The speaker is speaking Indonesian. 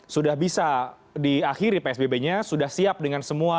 sudah bisa diakhiri psbb nya sudah siap dengan semua